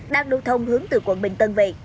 đang lưu thông hướng từ quận bình tân về